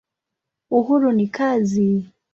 Uhuru ni kazi.